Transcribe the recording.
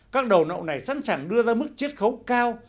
các đầu nậu này sẵn sàng đưa ra mức chiết khấu cao